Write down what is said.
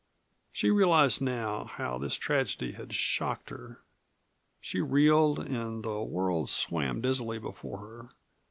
She realized now how this tragedy had shocked her. She reeled and the world swam dizzily before her.